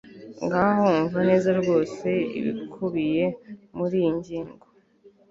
ngaho umva neza rwose ibikubiye muri iyi ngingo